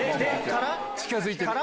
近づいてる。